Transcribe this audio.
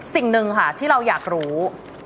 สิ่งหนึ่งค่ะที่เราอยากรู้